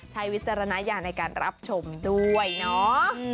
วิจารณญาณในการรับชมด้วยเนาะ